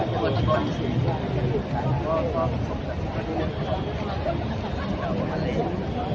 พ่อของทุกคนสูง